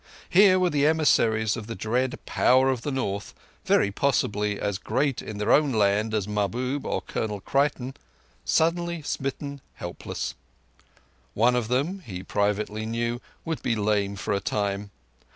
Here were the emissaries of the dread Power of the North, very possibly as great in their own land as Mahbub or Colonel Creighton, suddenly smitten helpless. One of them, he privately knew, would be lame for a time.